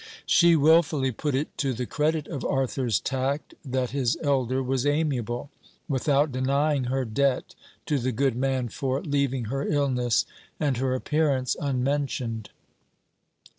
She wilfully put it to the credit of Arthur's tact that his elder was amiable, without denying her debt to the good man for leaving her illness and her appearance unmentioned.